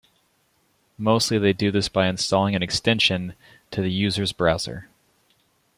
Mostly they do this by installing an extension to the user's browser.